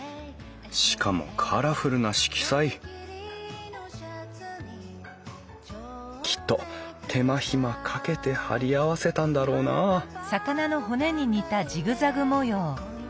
しかもカラフルな色彩きっと手間暇かけて貼り合わせたんだろうなうん。